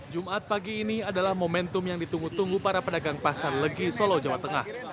jumat pagi ini adalah momentum yang ditunggu tunggu para pedagang pasar legi solo jawa tengah